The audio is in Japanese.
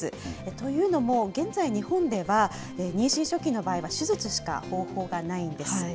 というのも、現在、日本では妊娠初期の場合は手術しか方法がないんです。